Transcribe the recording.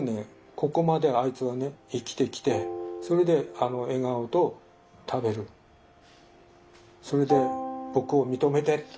ここまであいつはね生きてきてそれであの笑顔と食べるそれで僕を認めてと。